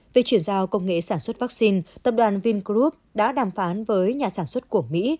về chuyển giao công nghệ sản xuất vaccine tập đoàn vingroup đã đàm phán với nhà sản xuất của mỹ